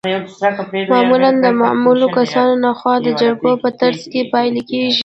معمولا د معلومو کسانو لخوا د جرګو په ترڅ کې پلي کیږي.